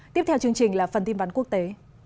tiếp theo chương trình là phần tin ván quốc tế